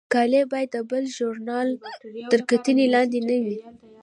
مقالې باید د بل ژورنال تر کتنې لاندې نه وي.